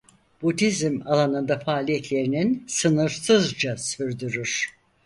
Budizm alanında faaliyetlerinin sınırsızca sürdürür.